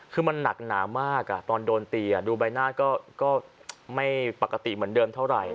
คือมันหนักหนามากตอนโดนตีดูใบหน้าก็ไม่ปกติเหมือนเดิมเท่าไหร่